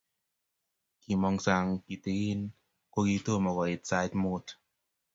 kimong sang kitingin kogitomo koit sait muut